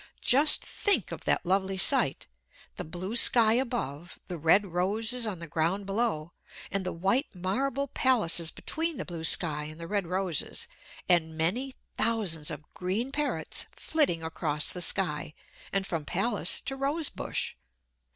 Just think of that lovely sight! The blue sky above, the red roses on the ground below, and the white marble palaces between the blue sky and the red roses; and many thousands of green parrots flitting across the sky, and from palace to rose bush.